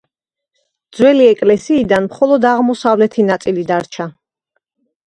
ძველი ეკლესიიდან მხოლოდ აღმოსავლეთი ნაწილი დარჩა.